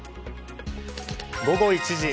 午後１時。